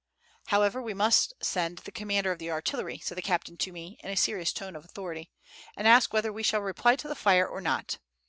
"However, we must send to the commander of the artillery," said the captain to me, in a serious tone of authority, "and ask whether we shall reply to the fire or not.